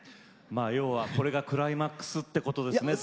要はこれがクライマックスということですね。